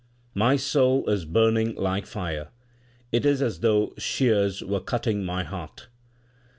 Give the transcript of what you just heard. My soul is burning like fire ; it is as though shears were cutting my heart.